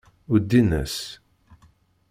Uddin-as.